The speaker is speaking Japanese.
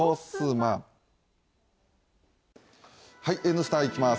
「Ｎスタ」いきます。